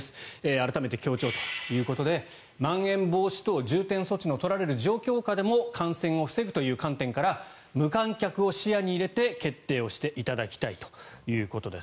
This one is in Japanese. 改めて強調ということでまん延防止等重点措置の取られる状況下でも感染を防ぐという観点から無観客を視野に入れて決定をしていただきたいということです。